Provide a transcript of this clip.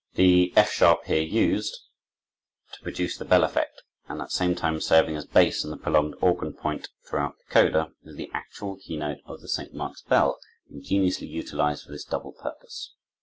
The F sharp here used to produce the bell effect, and at the same time serving as bass in a prolonged organ point throughout the coda, is the actual keynote of the St. Mark's bell, ingeniously utilized for this double purpose.